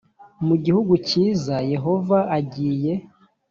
mu gihugu cyiza yehova agiye